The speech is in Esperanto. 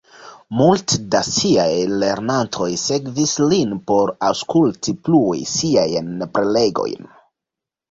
Multe da siaj lernantoj sekvis lin por aŭskulti plue siajn prelegojn.